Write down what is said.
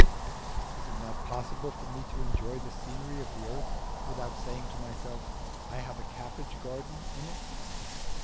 Is it not possible for me to enjoy the scenery of the earth without saying to myself, I have a cabbage garden in it?